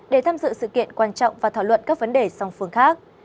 để tham dự sự kiện quan trọng và thảo luận các vấn đề song phương khác